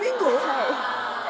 はい。